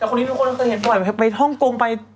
แต่คนนี้มีคนที่เขาเคยเห็นบ่อยไปท่องโกงไป